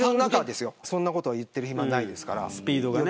そんなこと言ってる暇ないですから。